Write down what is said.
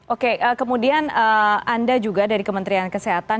oke kemudian anda juga dari kementerian kesehatan